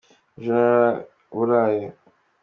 ejo naraburaye